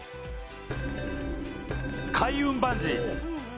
開運バンジー。